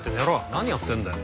何やってんだよ。